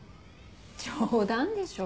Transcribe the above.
冗談でしょ？